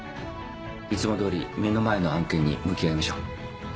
いつもどおり目の前の案件に向き合いましょう。